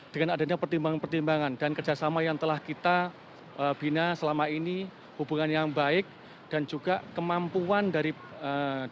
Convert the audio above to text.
dengan adanya pertimbangan pertimbangan dan kerjasama yang telah kita bina selama ini hubungan yang baik dan juga kemampuan dari pemerintah